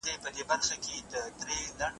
طبي تجهیزات له کوم هیواد څخه راځي؟